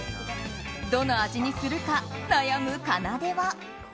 どの味にするか悩むかなでは。